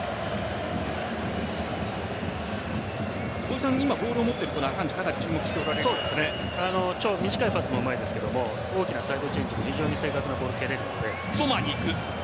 坪井さん、今ボールを持っているアカンジ短いパスもうまいですが大きなサイドチェンジが非常に正確なボールを蹴れるので。